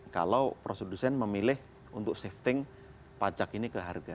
kalau produsen memilih untuk shifting pajak ini ke harga